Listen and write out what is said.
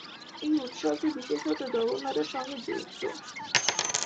এই উৎসবটি বিশেষত জগন্নাথের সঙ্গে যুক্ত।